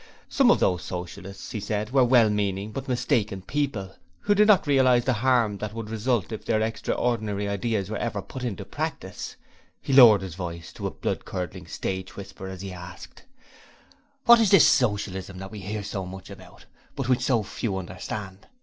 Some of those Socialists, he said, were well meaning but mistaken people, who did not realize the harm that would result if their extraordinary ideas were ever put into practice. He lowered his voice to a blood curdling stage whisper as he asked: 'What is this Socialism that we hear so much about, but which so few understand?